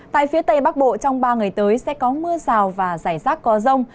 tại phía tây bắc bộ trong ba ngày tới sẽ có mưa rào và rải rác có rông